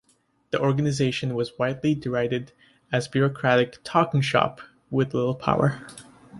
The organisation was widely derided as a bureaucratic "talking shop" with little power.